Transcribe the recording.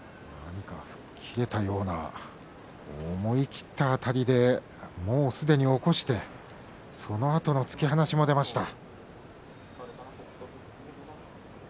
何か吹っ切れたような思い切ったあたりでもうすでに起こしてそのあとの突き放しも出ました。